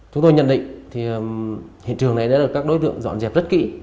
chúng tôi nhận định thì hiện trường này đã được các đối tượng dọn dẹp rất kỹ